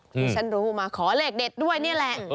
ที่ฉันรู้มาขอเลขเด็ดด้วยนี่แหละ